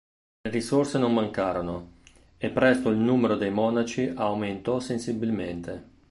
Le risorse non mancarono, e presto il numero dei monaci aumentò sensibilmente.